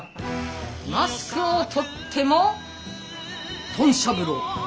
マスクを取っても豚しゃぶ郎。